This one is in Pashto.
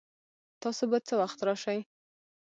تاسو به څه وخت راشئ؟